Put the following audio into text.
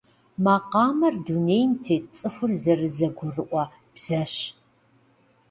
Макъамэр дунейм тет цӏыхур зэрызэгурыӏуэ бзэщ.